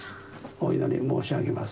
お祈り申し上げます。